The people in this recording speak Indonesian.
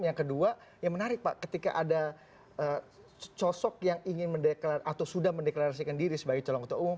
yang kedua yang menarik pak ketika ada sosok yang ingin mendeklarasi atau sudah mendeklarasikan diri sebagai calon ketua umum